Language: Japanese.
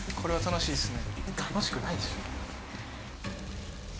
楽しくないでしょ。